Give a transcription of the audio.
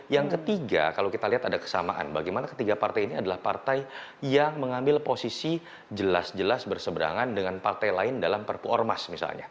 yang ketiga kalau kita lihat ada kesamaan bagaimana ketiga partai ini adalah partai yang mengambil posisi jelas jelas berseberangan dengan partai lain dalam perpu ormas misalnya